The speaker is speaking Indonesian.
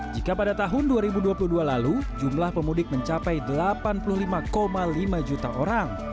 jika pada tahun dua ribu dua puluh dua lalu jumlah pemudik mencapai delapan puluh lima lima juta orang